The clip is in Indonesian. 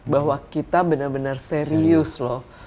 bahwa kita benar benar serius loh